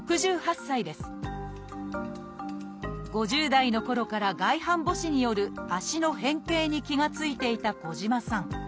５０代のころから外反母趾による足の変形に気が付いていた児島さん。